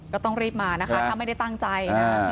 ก็ต้องรีบมานะคะถ้าไม่ได้ตั้งใจนะ